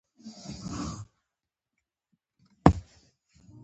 اوښ د پيشو په څېر د خاموش او بې غمه کېدو فکر کوي.